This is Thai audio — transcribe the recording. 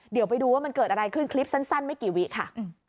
เดี๋ยวไปดูว่ามันเกิดอะไรขึ้นคลิปสั้นไม่กี่วิค่ะ